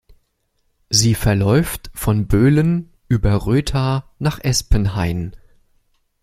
Sie verläuft von Böhlen über Rötha nach Espenhain.